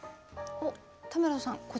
おっ田村さん